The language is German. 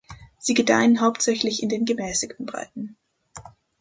Sie gedeihen hauptsächlich in den gemäßigten Breiten.